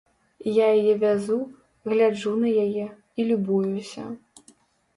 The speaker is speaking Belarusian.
Я яе вязу, гляджу на яе і любуюся.